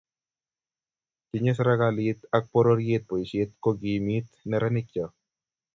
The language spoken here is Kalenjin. Tinyei serkalit ak pororiet boisiet kokimit neranikcho